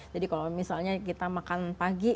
jadi kalau misalnya kita makan pagi